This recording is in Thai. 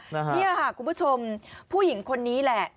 นี่ค่ะคุณผู้ชมผู้หญิงคนนี้แหละ